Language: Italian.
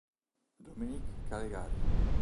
Dominic Calegari